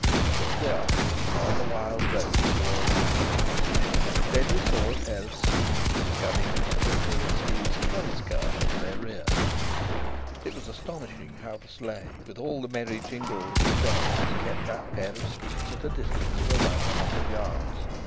And shortly afterwards, on the wild road towards Attalens, Denry saw a pair of skis scudding as quickly as skis can scud in their rear. It was astonishing how the sleigh, with all the merry jingle of its bells, kept that pair of skis at a distance of about a hundred yards.